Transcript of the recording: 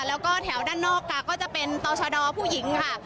แล้วก็แถวด้านนอกค่ะก็จะเป็นต่อชะดอผู้หญิงค่ะ